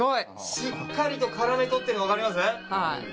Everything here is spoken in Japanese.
しっかりと絡め取ってるのわかります？